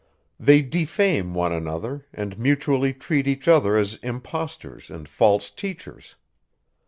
They defame one another, and mutually treat each other as impostors and false teachers.